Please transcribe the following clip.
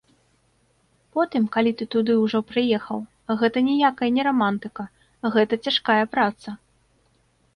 Потым, калі ты туды ўжо прыехаў, гэта ніякая не рамантыка, гэта цяжкая праца!